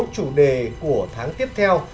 chủ đề của tháng tiếp theo